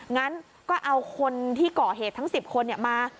งั้นก็เอาคนที่ก่อเหตุทั้ง๑๐คนมา